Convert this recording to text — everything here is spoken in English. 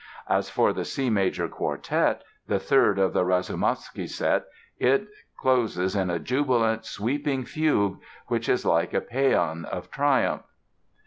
As for the C major Quartet, the third of the "Rasoumovsky" set, it closes in a jubilant, sweeping fugue, which is like a paean of triumph.